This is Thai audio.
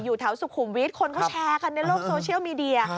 แถวสุขุมวิทย์คนเขาแชร์กันในโลกโซเชียลมีเดีย